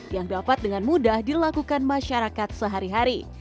yang dapat dengan mudah dilakukan masyarakat sehari hari